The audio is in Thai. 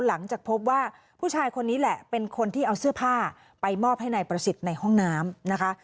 หลังจากพบว่าผู้ชายคนนี้แหละเป็นคนที่เอาเสื้อผ้าไปมอบให้นายประสิทธิ์ในห้องน้ำนะคะ